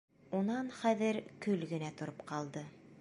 Унан хәҙер көл генә тороп ҡалды.